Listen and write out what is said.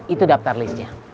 itu daftar listnya